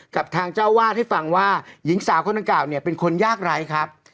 กับทางเจ้าวาดให้ฟังว่าหญิงสาวคนดังกล่าวเนี่ยเป็นคนยากไร้ครับ